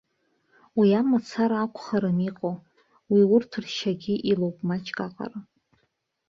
Уи амацара акәхарым иҟоу, уи урҭ ршьагьы илоуп маҷк аҟара.